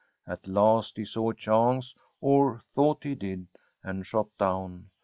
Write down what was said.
At last he saw a chance, or thought he did, and shot down.